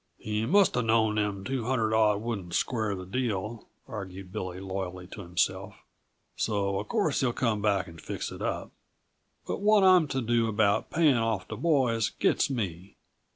"He must uh known them two hundred odd wouldn't square the deal," argued Billy loyally to himself. "So uh course he'll come back and fix it up. But what I'm to do about payin' off the boys gets me."